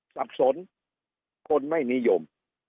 สับสนคนไม่นิยม